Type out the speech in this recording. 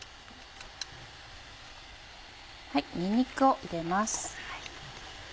にんにくを入れます。